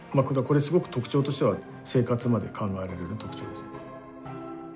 これすごく特徴としては生活まで考えられる特徴です。